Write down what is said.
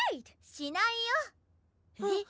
しないよ。え？